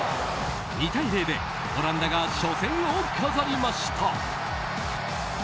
２対０でオランダが初戦を飾りました。